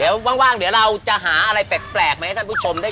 เดี๋ยวว่างเดี๋ยวเราจะหาอะไรแปลกไหม